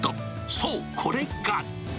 そう、これが。